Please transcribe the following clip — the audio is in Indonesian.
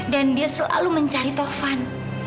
dan dia selalu mencari tovan